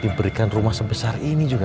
diberikan rumah sebesar ini juga